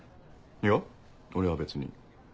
いや俺は別に。